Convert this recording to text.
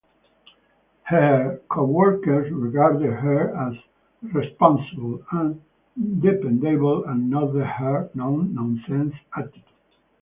Her co-workers regarded her as responsible and dependable, and noted her "no-nonsense" attitude.